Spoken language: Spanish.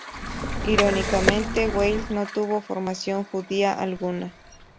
Irónicamente, Weil no tuvo formación judía alguna.